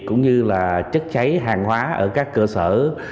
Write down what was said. cũng như là chất cháy hàng hóa ở các cơ sở